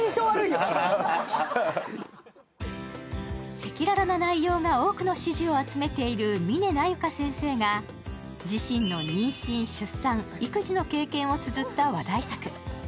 赤裸々な内容が多くの支持を集めている峰なゆか先生が自身の妊娠、出産、育児の経験をつづった話題作。